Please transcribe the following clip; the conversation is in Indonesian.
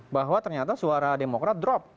bahwa ternyata suara demokrat drop